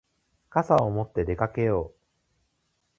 傘を持って出かけよう。